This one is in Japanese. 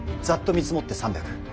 ざっと見積もって３００。